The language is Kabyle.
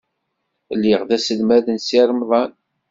Lliɣ d aselmad n Si Remḍan.